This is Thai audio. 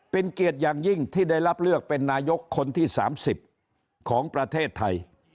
เป็นเกียรติอย่างยิ่งที่ได้รับเลือกเป็นนายกคนที่๓๐ของประเทศไทย